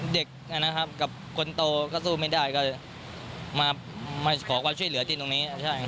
เด็กนะครับกับคนโตก็สู้ไม่ได้ก็มาขอความช่วยเหลือที่ตรงนี้